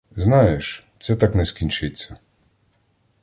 Знаєш, це так не скінчиться!